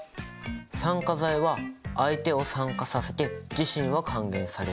酸化剤は相手を酸化させて自身は還元される。